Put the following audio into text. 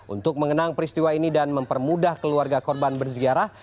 untuk mengenang peristiwa ini dan mempermudah keluarga korban berziarah